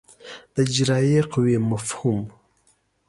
د اجرایه قوې مفهوم